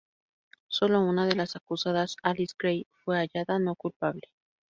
Solo una de las acusadas, Alice Grey, fue hallada no culpable.